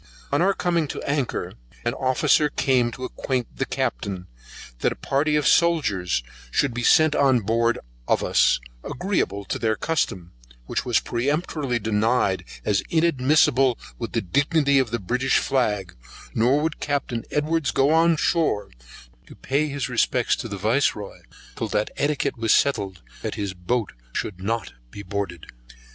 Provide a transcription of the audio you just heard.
On our coming to anchor, an officer came to acquaint the Captain, that a party of soldiers should be sent on board of us, agreeable to their custom, which was most peremptorily denied as inadmissable with the dignity of the British flag, nor would Captain Edwards go on shore to pay his respects to the Vice Roy, till that etiquete was settled, that his boat should not be boarded.